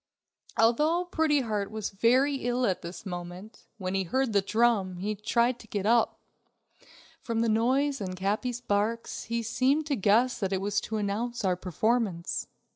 Although Pretty Heart was very ill at this moment, when he heard the drum, he tried to get up. From the noise and Capi's barks, he seemed to guess that it was to announce our performance.